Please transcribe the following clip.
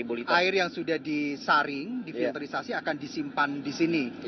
jadi air yang sudah disaring difilterisasi akan disimpan di sini